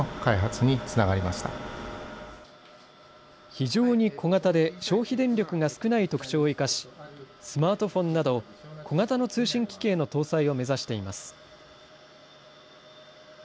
非常に小型で、消費電力が少ない特徴を生かし、スマートフォンなど小型の通信機器への搭載を目指しています。